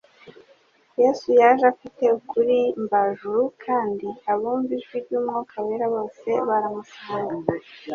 Yesu yaje afite ukuri mvajuru, kandi abumva ijwi ry'Umwuka Wera bose baramusanga